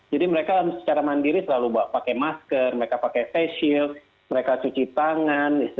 jadi mereka secara mandiri selalu pakai masker mereka pakai face shield mereka cuci tangan